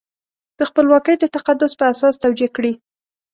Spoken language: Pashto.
د خپلواکۍ د تقدس په اساس توجیه کړي.